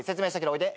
おいで。